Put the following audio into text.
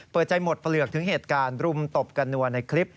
เปิดใจหมดเปลือกถึงเหตุการณ์รุมตบกันนัวในคลิป